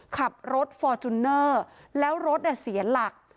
ขับรถฟอร์จูเนอร์แล้วรถเสียหลัก